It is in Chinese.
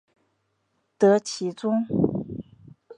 得其中